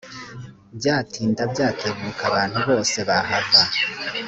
byatinda byatebuka abantu bose bahava.